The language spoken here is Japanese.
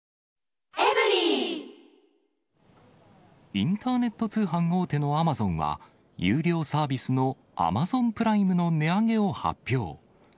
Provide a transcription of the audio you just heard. インターネット通販大手のアマゾンは、有料サービスのアマゾンプライムの値上げを発表。